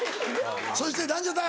そしてランジャタイ。